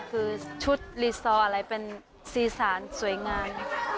คือชุดรีซอร์อะไรเป็นสีสารสวยงาม